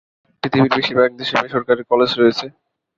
পৃথিবীর বেশীরভাগ দেশে বেসরকারি কলেজ রয়েছে।